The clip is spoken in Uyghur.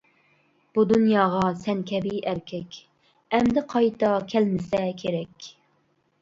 بۇ دۇنياغا سەن كەبى ئەركەك، ئەمدى قايتا كەلمىسە كېرەك.